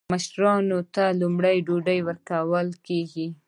مشر ته لومړی ډوډۍ ورکول کیږي.